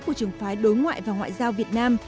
bộ trưởng phái đối ngoại và ngoại giao việt nam